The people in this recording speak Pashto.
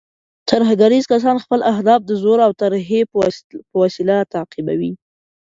ترهګریز کسان خپل اهداف د زور او ترهې په وسیله تعقیبوي.